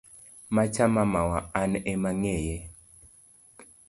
Macha mamawa an emaang'eye.